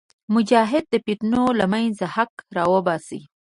مجاهد د فتنو له منځه حق راوباسي.